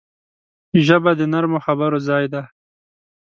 ژبه د نرمو خبرو ځای ده